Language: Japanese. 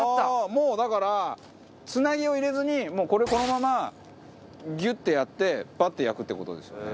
もうだからつなぎを入れずにもうこれこのままギュッてやってパッて焼くって事ですよね？